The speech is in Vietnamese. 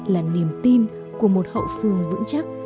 là niềm tin của một hậu phương vững chắc